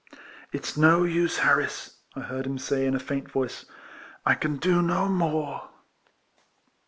" It's no use, Harris," I heard him say, in a faint voice, " I can do no more."